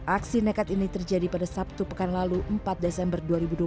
aksi nekat ini terjadi pada sabtu pekan lalu empat desember dua ribu dua puluh